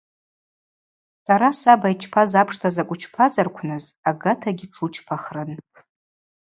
Сара саба йчпаз апшта закӏ учпазарквныз агатагьи тшучпахрын.